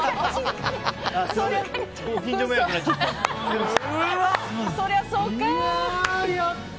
近所迷惑になっちゃった。